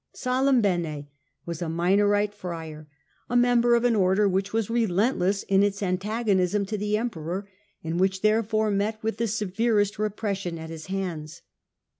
Salimbene was a Minorite friar, a member of an order which was relentless in its antagonism to the Emperor and which therefore met with the severest repression at his hands.